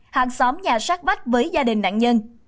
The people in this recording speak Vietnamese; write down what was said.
hàng xóm nhà sát vách với gia đình nạn nhân